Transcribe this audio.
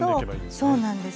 そうなんです。